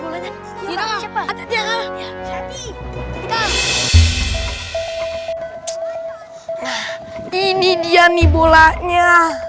kalian tunggu sini ya aku ambil bolanya